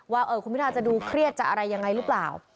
ว่าคุณพิทาจะดูเครียดจะอะไรยังไงหรือเปล่า